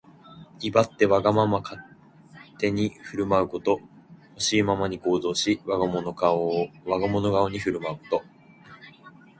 威張ってわがまま勝手に振る舞うこと。ほしいままに行動し、我が物顔に振る舞うこと。